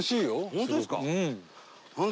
本当ですか？